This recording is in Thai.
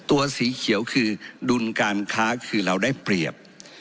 สีเขียวคือดุลการค้าคือเราได้เปรียบ